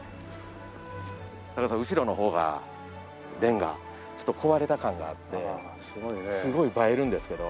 高田さん後ろの方がレンガ壊れた感があってすごい映えるんですけど。